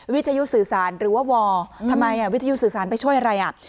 วิทยุสื่อสารหรือว่าวทำไมวิทยุสื่อสารไปช่วยอะไรอ่ะ